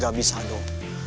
gak bisa dok